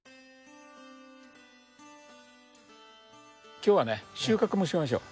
今日はね収穫もしましょう。